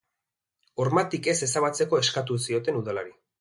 Hormatik ez ezabatzeko eskatu zioten udalari.